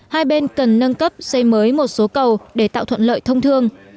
hai bên cần nâng cấp xây mới một số cầu để tạo thuận lợi thông thương